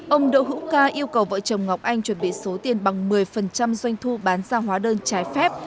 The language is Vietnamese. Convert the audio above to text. ông đỗ hữu ca yêu cầu vợ chồng ngọc anh chuẩn bị số tiền bằng một mươi doanh thu bán ra hóa đơn trái phép